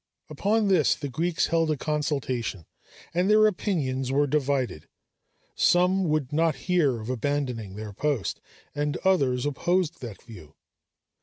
Upon this the Greeks held a consultation, and their opinions were divided; some would not hear of abandoning their post, and others opposed that view.